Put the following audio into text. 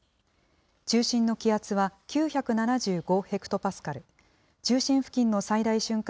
中心の気圧は９７５ヘクトパスカル、中心付近の最大瞬間